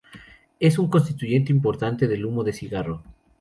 Es un constituyente importante del humo de cigarro.